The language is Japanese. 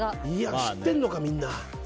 いや、知ってんのかみんな。